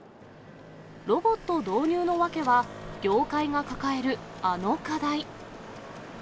ロボット導入の訳は、業界が抱えるあの課題。